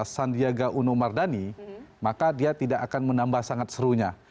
sandiaga uno mardani maka dia tidak akan menambah sangat serunya